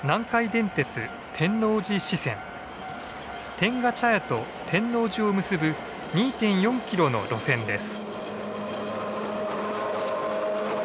天下茶屋と天王寺を結ぶ２．４キロの路線です。